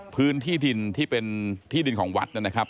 พื้นที่ดินที่เป็นที่ดินของวัดนะครับ